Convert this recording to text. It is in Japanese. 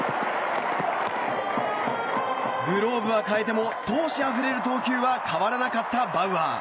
グローブは替えても闘志あふれる投球は変わらなかったバウアー。